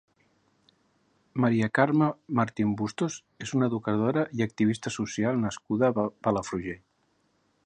Maria Carme Martín Bustos és una educadora i activista social nascuda a Palafrugell.